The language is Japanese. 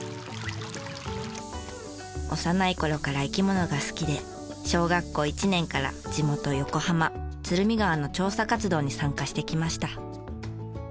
幼い頃から生き物が好きで小学校１年から地元横浜鶴見川の調査活動に参加してきました。